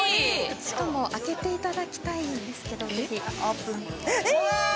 しかも開けていただきたいんですけどぜひオープンえーっ！